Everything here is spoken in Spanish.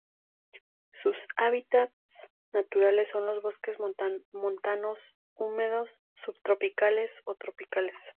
Sus hábitat naturales son los bosques montanos húmedos subtropicales o tropicales.